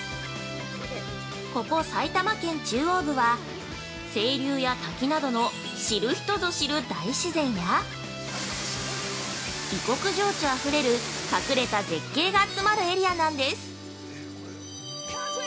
ここ埼玉県中央部は、清流や滝などの知る人ぞ知る大自然や異国情緒あふれる隠れた絶景が集まるエリアなんです。